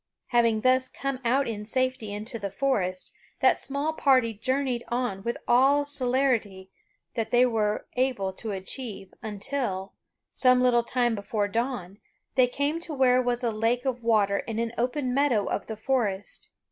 Having thus come out in safety into the forest, that small party journeyed on with all celerity that they were able to achieve until, some little time before dawn, they came to where was a lake of water in an open meadow of the forest.